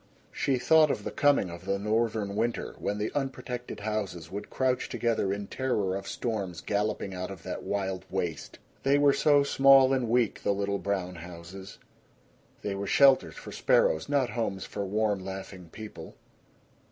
She thought of the coming of the Northern winter, when the unprotected houses would crouch together in terror of storms galloping out of that wild waste. They were so small and weak, the little brown houses. They were shelters for sparrows, not homes for warm laughing people.